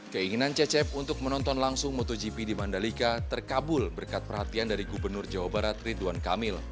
keinginan cecep untuk menonton langsung motogp di mandalika terkabul berkat perhatian dari gubernur jawa barat ridwan kamil